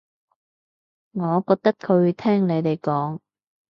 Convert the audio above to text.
我覺得佢會聽你哋講